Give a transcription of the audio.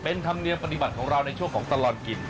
เป็นธรรมเนียมปฏิบัติของเราในช่วงของตลอดกิน